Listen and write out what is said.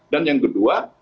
dan yang kedua